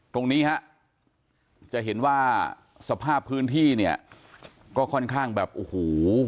ตรงนี้ฮะจะเห็นว่าสภาพพื้นที่เนี่ยก็ค่อนข้างแบบโอ้โห